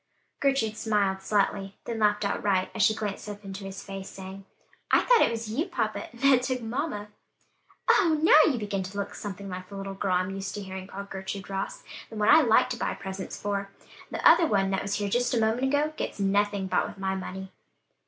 Gertrude smiled slightly, then laughed outright, as she glanced up into his face, saying, "I thought it was you, papa, that took mamma." "Oh! now, you begin to look something like the little girl I'm used to hearing called Gertrude Ross; the one I like to buy presents for; the other one that was here just a moment ago, gets nothing bought with my money."